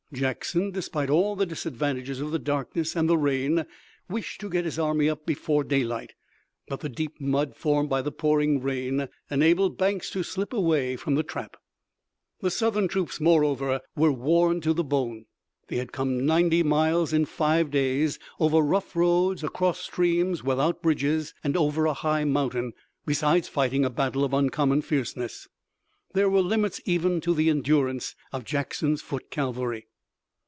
Jackson, despite all the disadvantages of the darkness and the rain, wished to get his army up before daylight, but the deep mud formed by the pouring rain enabled Banks to slip away from the trap. The Southern troops, moreover, were worn to the bone. They had come ninety miles in five days over rough roads, across streams without bridges, and over a high mountain, besides fighting a battle of uncommon fierceness. There were limits even to the endurance of Jackson's foot cavalry.